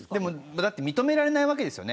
だって認められないわけですよね。